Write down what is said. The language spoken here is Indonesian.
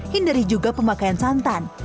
hindari juga pemakaian santan